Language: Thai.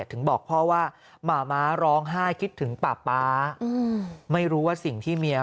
ถึงบอกพ่อว่าหมาม้าร้องไห้คิดถึงป่าป๊าไม่รู้ว่าสิ่งที่เมีย